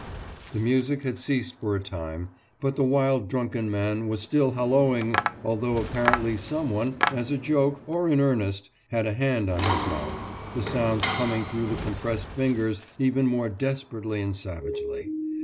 « The music had ceased for a time, but the wild drunken man was still halloing although apparently someone, as a joke or in earnest, had a hand on his mouth, the sounds coming through the compressed fingers even more desperately and savagely.